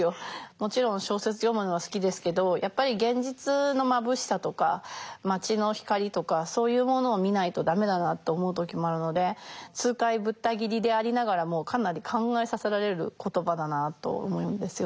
もちろん小説読むのは好きですけどやっぱり現実のまぶしさとか街の光とかそういうものを見ないと駄目だなと思う時もあるので痛快ぶった切りでありながらもかなり考えさせられる言葉だなあと思うんですよね。